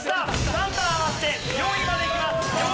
３段上がって４位までいきます。